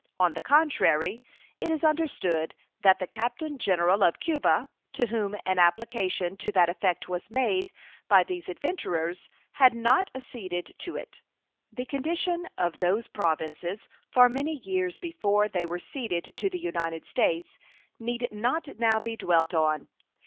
On the contrary, it is understood that the Captain General of Cuba, to whom an application to that effect was made by these adventurers, had not acceded to it. The condition of those Provinces for many years before they were ceded to the United States need not now be dwelt on.